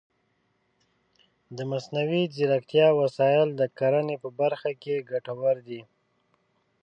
د مصنوعي ځیرکتیا وسایل د کرنې په برخه کې ګټور دي.